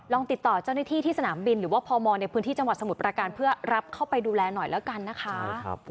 ติดต่อเจ้าหน้าที่ที่สนามบินหรือว่าพมในพื้นที่จังหวัดสมุทรประการเพื่อรับเข้าไปดูแลหน่อยแล้วกันนะคะ